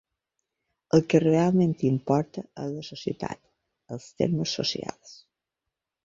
El que realment importa és la societat, els temes socials.